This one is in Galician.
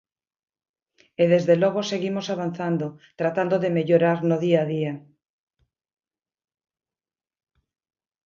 E, desde logo, seguimos avanzando, tratando de mellorar no día a día.